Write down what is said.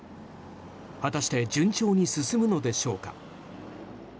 果たして順調に進むのでしょうか。